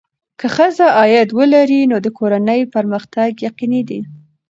که ښځه عاید ولري، نو د کورنۍ پرمختګ یقیني دی.